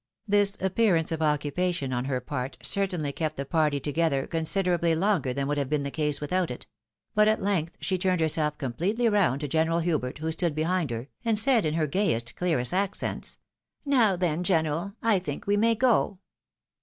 This appearance of occupation on her part certainly kept the party together considerably longer than 174 THE WIDOW MARRIED. ■would have been the case without it ; but at length she turned herself completely round to General Hubert, who stood behind her, and said, in her gayest, clearest accents, " Now then, general, I think we may go."